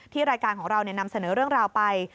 รายการของเรานำเสนอเรื่องราวไป